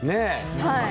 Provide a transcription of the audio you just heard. はい。